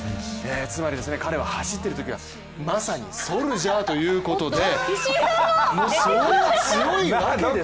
つまり彼は走っているときはまさにソルジャーということで強いわけですよ。